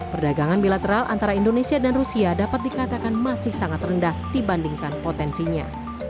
perdagangan bilateral antara indonesia dan rusia dapat dikatakan masih sangat rendah dibandingkan potensinya